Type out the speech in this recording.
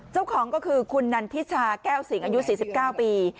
เจ้าของก็คือคุณนันทิชาแก้วสิงอายุ๔๙ปี